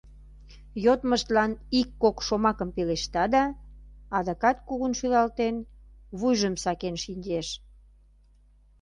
Йодмыштлан ик-кок шомакым пелешта да, адакат кугун шӱлалтен, вуйжым сакен шинчеш.